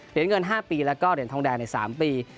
เหรียญเงิน๕ปีแล้วก็เหรียญทองแดงใน๓ปี